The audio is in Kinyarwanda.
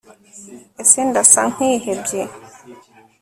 ese ndasa nkihebye